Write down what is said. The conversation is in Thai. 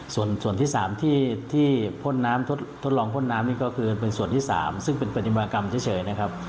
ส่วนที่๓ที่พ่นน้ำทดลองพ่นน้ำนี่ก็คือเป็นส่วนที่๓ซึ่งเป็นปฏิมากรรมเฉยนะครับ